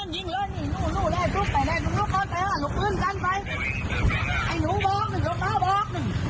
ยิงเลยนี่ตายไหน